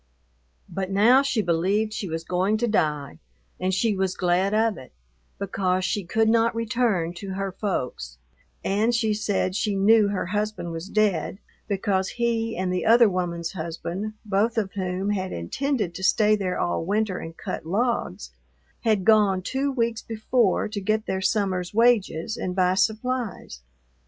But now she believed she was going to die and she was glad of it because she could not return to her "folks," and she said she knew her husband was dead because he and the other woman's husband, both of whom had intended to stay there all winter and cut logs, had gone two weeks before to get their summer's wages and buy supplies.